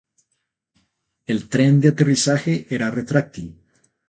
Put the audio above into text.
El tren de aterrizaje era retráctil.